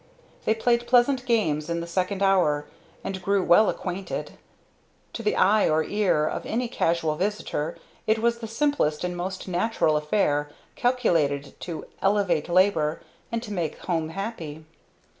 They played pleasant games in the second hour, and grew well acquainted. To the eye or ear of any casual visitor it was the simplest and most natural affair, calculated to "elevate labor" and to make home happy.